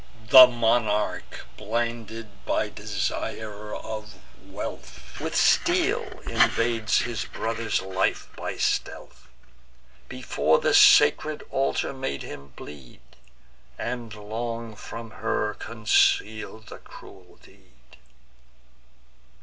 The monarch, blinded with desire of wealth, With steel invades his brother's life by stealth; Before the sacred altar made him bleed, And long from her conceal'd the cruel deed.